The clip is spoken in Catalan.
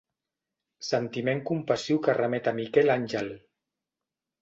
Sentiment compassiu que remet a Miquel Àngel.